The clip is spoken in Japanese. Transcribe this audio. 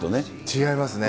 違いますね。